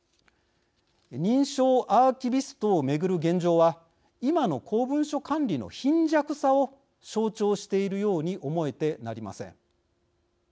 認証アーキビストを巡る現状は今の公文書管理の貧弱さを象徴しているように思えてなりません。